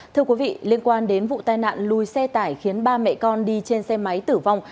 thưa quý vị liên quan đến vụ tai nạn lùi xe tải khiến ba mẹ con đi trên xe máy tử vong